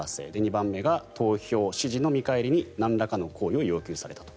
２番目が投票・支持の見返りになんらかの行為を強要されたと。